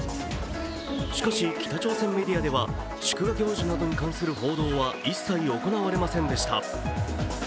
しかし、北朝鮮メディアでは祝賀行事などに関する報道は一切行われませんでした。